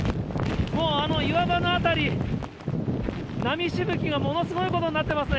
もう岩場の辺り、波しぶきがものすごいことになってますね。